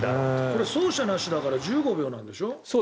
これ、走者なしだから１５秒なんでしょ？